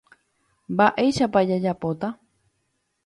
Mba'éichapa jajapóta.